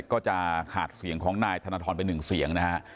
ก็จะขาดเสียงของนายธนทรไปหนึ่งเสียงนะฮะ